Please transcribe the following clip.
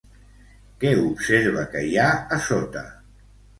Què observa que hi ha a sota?